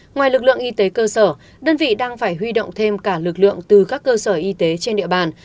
ngoài lực lượng y tế cơ sở đơn vị đang phải huy động thêm cả lực lượng từ các cơ sở y tế trên địa bàn